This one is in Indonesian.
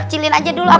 cilin aja dulu obrolnya